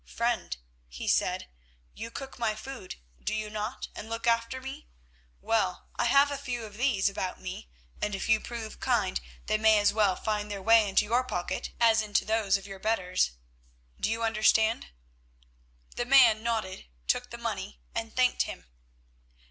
"Friend," he said, "you cook my food, do you not, and look after me? Well, I have a few of these about me, and if you prove kind they may as well find their way into your pocket as into those of your betters. Do you understand?" The man nodded, took the money, and thanked him.